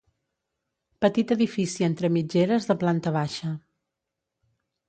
Petit edifici entre mitgeres de planta baixa.